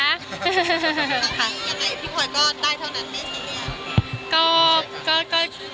อย่างไงพี่พลอยก็ได้เท่านั้นเนี่ยสิเนี่ย